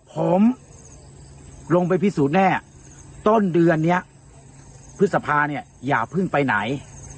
ผมลงไปพิสูจน์แน่ต้นเดือนนี้พฤษภาเนี่ยอย่าเพิ่งไปไหน